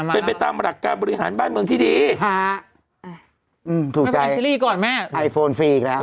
เป็นไปตามหลักการบริหารบ้านเมืองที่ดีถูกใจเชอรี่ก่อนแม่ไอโฟนฟรีอีกแล้ว